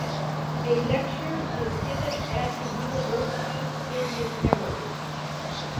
A lecture is given at the university in his memory.